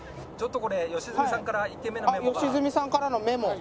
良純さんからのメモ。